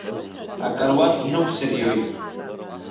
Акаруаҭ днықәсыриоит.